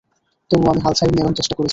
তবুও আমি হাল ছাড়িনি এবং চেষ্টা করেছি।